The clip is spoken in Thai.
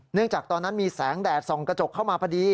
จากตอนนั้นมีแสงแดดส่องกระจกเข้ามาพอดี